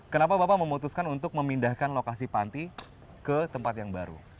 kenapa bapak memutuskan untuk memindahkan lokasi panti ke tempat yang baru